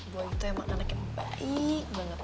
boy itu emang anak yang baik banget ya